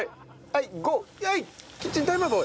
はい！